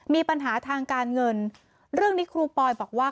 มีปัญหาทางการเงินเรื่องนี้ครูปอยบอกว่า